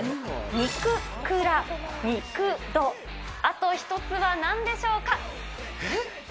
肉倉、肉戸、あと１つはなんでしょうか。